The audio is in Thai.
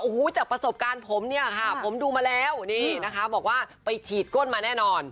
โอ้โหจากประสบการณ์ผมเนี่ยค่ะผมดูมาแล้วนี่นะคะบอกว่าไปฉีดก้นมาแน่นอน